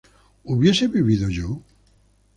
¿hubiese vivido yo?